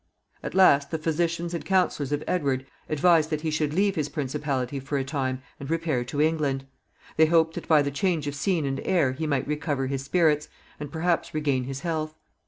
At last the physicians and counselors of Edward advised that he should leave his principality for a time and repair to England. They hoped that by the change of scene and air he might recover his spirits, and perhaps regain his health.